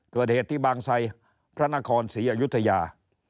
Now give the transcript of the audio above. เกิดเหตุที่บางไซพระนครศรีอยุธยา